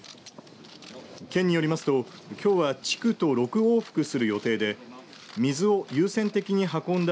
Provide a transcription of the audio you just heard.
県によりますときょうは地区と６往復する予定で水を優先的に運んだ